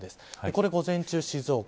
これ、午前中静岡。